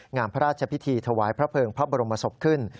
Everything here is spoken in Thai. งามพระราชพิธีถวายพระเภิงพระบรมศพขึ้น